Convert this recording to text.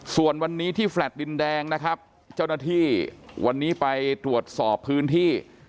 ส่วนวันนี้ที่แฟลต์ดินแดงนะครับเจ้าหน้าที่วันนี้ไปตรวจสอบพื้นที่